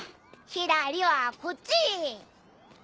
左はこっち！